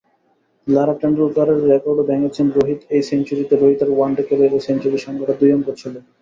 লারা-টেন্ডুলকারের রেকর্ডও ভেঙেছেন রোহিতএই সেঞ্চুরিতে রোহিতের one day ক্যারিয়ারে সেঞ্চুরির সংখ্যাটি দুই অঙ্ক ছুঁল।